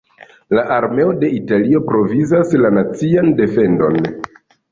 La armeo de Italio provizas la nacian defendon.